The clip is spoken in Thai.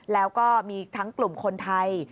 แล้วก็มีทั้งกลุ่มคนไทย